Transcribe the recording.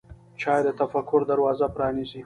چای د تفکر دروازه پرانیزي.